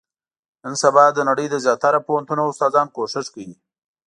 نن سبا، د نړۍ د زیاتره پوهنتونو استادان، کوښښ کوي.